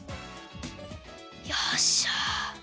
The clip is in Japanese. よっしゃ。